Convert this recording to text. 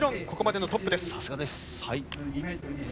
さすがです。